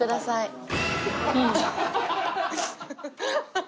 ハハハハ。